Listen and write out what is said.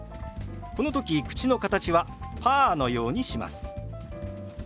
この時口の形はパーのようにします。